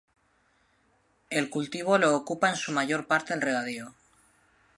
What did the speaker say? El cultivo lo ocupa en su mayor parte el regadío.